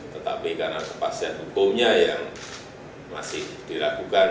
tetapi karena kepaksaan hukumnya yang masih diragukan